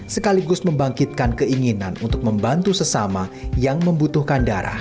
sekaligus membangkitkan keinginan untuk membantu sesama yang membutuhkan darah